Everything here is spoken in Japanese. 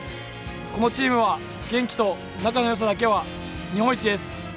このチームは元気と仲のよさだけは日本一です。